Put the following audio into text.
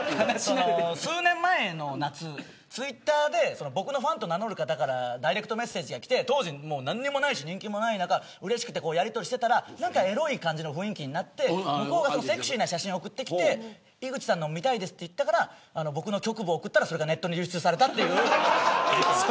数年前の夏、ツイッターで僕のファンと名乗る方からダイレクトメッセージがきて当時、何もないし人気もない中うれしくてやりとりをしていたらエロい感じの雰囲気になって向こうがセクシーな写真送ってきて井口さんのも見たいですと言われたから僕の局部を送ったらそれがネットに流出した。